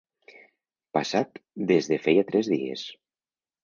Passat des de feia tres dies.